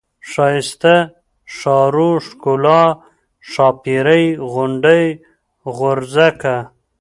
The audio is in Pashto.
ښايسته ، ښارو ، ښکلا ، ښاپيرۍ ، غونډۍ ، غورځکه ،